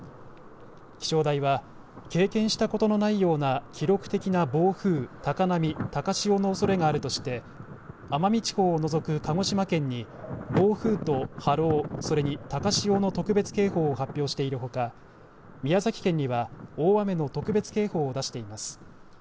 気象台は経験したことのないような記録的な暴風、高波、高潮のおそれがあるとして、奄美地方を除く鹿児島県に暴風と波浪、それに高潮の特別警報を発表しているほか宮崎県には大雨の特別警報を出しています。